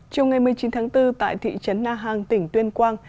trong ngày một mươi chín tháng bốn tại thị trấn na hàng tỉnh tuyên quang